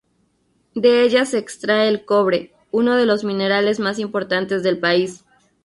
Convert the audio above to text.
De ella se extrae el cobre, uno de los minerales más importantes del país.